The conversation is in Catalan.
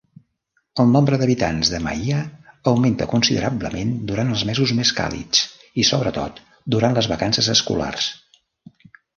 El nombre d'habitants de Mahia augmenta considerablement durant els mesos més càlids i, sobretot, durant les vacances escolars.